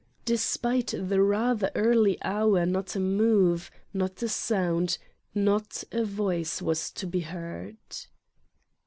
Despite the 17 Satan's 'T " rather early hour not a move, not a sound, not a voice was to be heard.